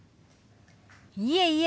いえいえ。